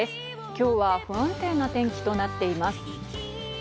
今日は不安定な天気となっています。